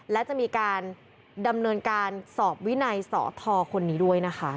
และจะมีการดำเนินการสอบวินัยสอทคนนี้ด้วยนะคะ